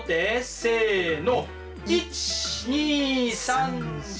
せの。